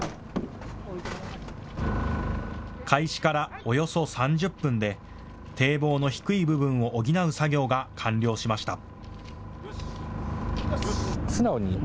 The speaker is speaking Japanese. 開始からおよそ３０分で堤防の低い部分を補う作業が完了しました。